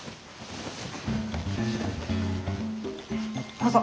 どうぞ。